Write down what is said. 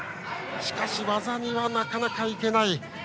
しかし、技にはなかなか行けない。